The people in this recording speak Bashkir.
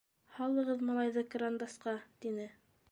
- Һалығыҙ малайҙы кырандасҡа, - тине.